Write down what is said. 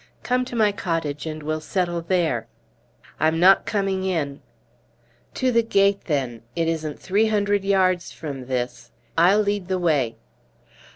Come to my cottage, and we'll settle there." "I'm not coming in!" "To the gate, then. It isn't three hundred yards from this. I'll lead the way."